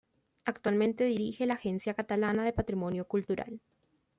Actualmente dirige la Agencia Catalana de Patrimonio Cultural.